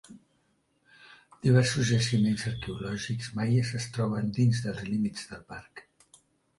Diversos jaciments arqueològics maies es troben dins dels límits del parc.